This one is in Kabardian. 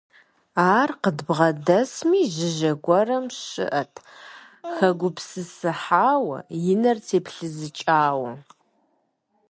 Ар къыдбгъэдэсми жыжьэ гуэрым щыӀэт, хэгупсысыхьауэ, и нэр теплъызыкӀауэ.